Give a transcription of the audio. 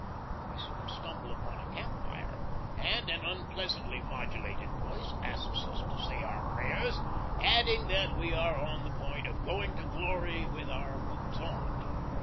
We soon stumble upon a camp fire, and an unpleasantly modulated voice asks us to say our prayers, adding that we are on the point of going to Glory with our boots on.